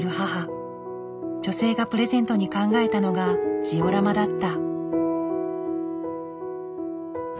女性がプレゼントに考えたのがジオラマだった。